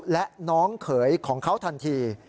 และน้องเขยของเขาทันที